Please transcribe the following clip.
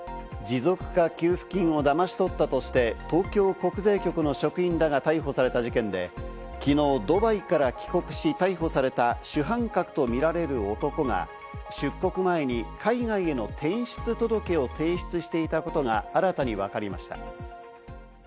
持続化給付金をだまし取ったとして東京国税局の職員らが逮捕された事件で、昨日、ドバイから帰国し、逮捕された主犯格とみられる男が出国前に海外への転出届を提出していたことが新たに分かりました。